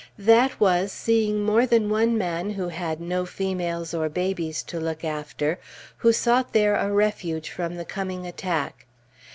That was seeing more than one man who had no females or babies to look after, who sought there a refuge from the coming attack.